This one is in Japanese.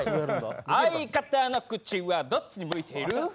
「相方の口はどっちに向いている」